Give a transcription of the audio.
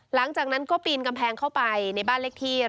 หลังจากนั้นก็ปีนกำแพงเข้าไปในบ้านเลขที่